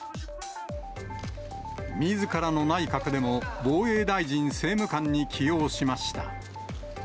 みずからの内閣でも、防衛大臣政務官に起用しました。